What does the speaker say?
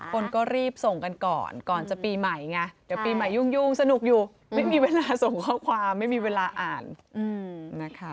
คนก็รีบส่งกันก่อนก่อนจะปีใหม่ไงเดี๋ยวปีใหม่ยุ่งสนุกอยู่ไม่มีเวลาส่งข้อความไม่มีเวลาอ่านนะคะ